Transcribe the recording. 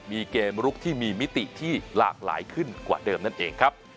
มีเกมลุกที่มีมิติที่หลากหลายขึ้นกว่าเดิมนั่นเองครับ